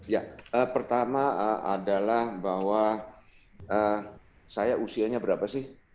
ya pertama adalah bahwa saya usianya berapa sih